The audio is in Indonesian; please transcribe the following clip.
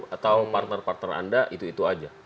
atau partner partner anda itu itu aja